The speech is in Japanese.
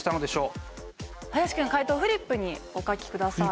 林くん解答をフリップにお書きください。